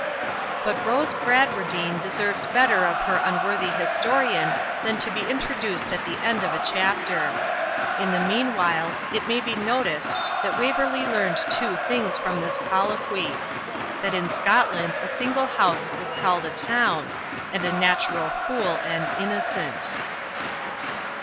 But Rose Bradwardine deserves better of her unworthy historian than to be introduced at the end of a chapter. In the mean while it may be noticed, that Waverley learned two things from this colloquy: that in Scotland a single house was called a TOWN, and a natural fool an INNOCENT.